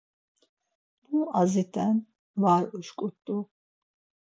Mu azit̆en var uşǩurt̆u.